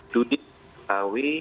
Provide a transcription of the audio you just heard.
dunia kita tahu